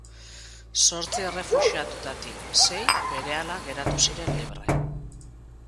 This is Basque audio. Zortzi errefuxiatuetatik sei berehala geratu ziren libre.